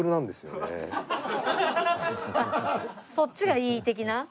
そっちがいい的な？